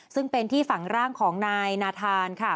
ซึ่งเป็นที่ฝังร่างของนายนาธานค่ะ